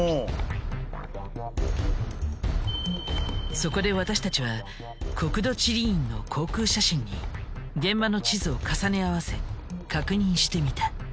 そこで私たちは国土地理院の航空写真に現場の地図を重ね合わせ確認してみた。